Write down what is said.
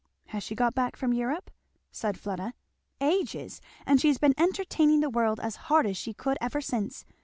"Has she got back from Europe?" said Fleda. "Ages! and she's been entertaining the world as hard as she could ever since.